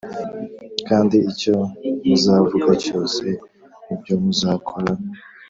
Kandi icyo muzavuga cyose n’ibyo muzakora